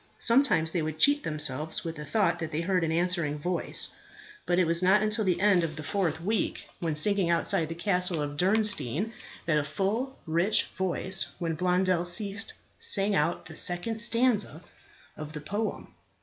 Sometimes they would cheat themselves with the thought that they heard an answering voice; but it was not until the end of the fourth week, when singing outside the castle of Diernstein, that a full rich voice, when Blondel ceased, sang out the second stanza of the poem.